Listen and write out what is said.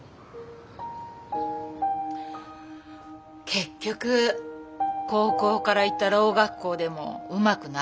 結局高校から行ったろう学校でもうまくなじめなくてね。